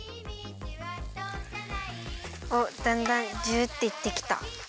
おっだんだんジュッていってきた。